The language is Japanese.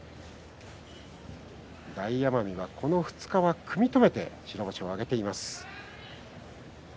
大奄美はこの２日は組み止めて白星を挙げています。